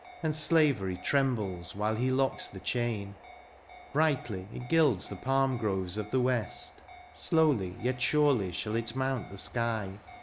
And slavery trembles while he locks the chain : Brightly it gilds the palm groves of the west ; Slowly yet surely shall it mount the sky.